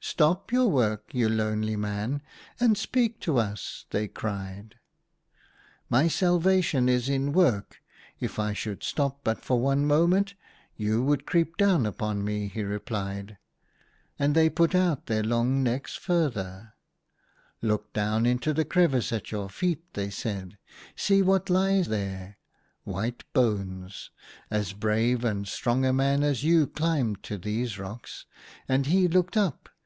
" Stop your work, you lonely man, and speak to us," they cried. "My salvation is in work. If I should stop but for one moment you would creep down upon me," he replied. And they put out their long necks further. " Look down into the crevice at your feet," they said. " See what lie there — white bones ! As brave and strong a man as you climbed to these rocks. And he looked up.